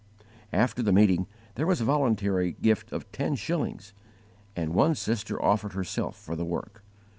After the meeting there was a voluntary gift of ten shillings, and one sister offered herself for the work.